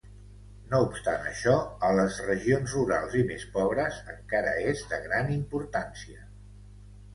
No obstant això, a les regions rurals i més pobres encara és de gran importància.